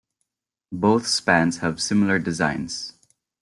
Both spans have similar designs.